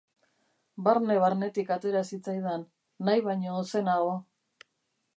Barne-barnetik atera zitzaidan, nahi baino ozenago.